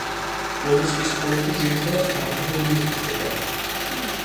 მოლუსკის კუნთი, ძირითადად გაყინული იყიდება.